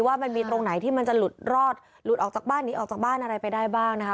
ว่ามันมีตรงไหนที่มันจะหลุดรอดหลุดออกจากบ้านหนีออกจากบ้านอะไรไปได้บ้างนะคะ